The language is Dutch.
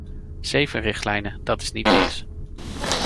Zeven richtlijnen, dat is niet niks.